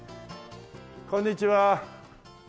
こんにちは。